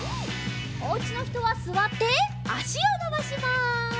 おうちのひとはすわってあしをのばします。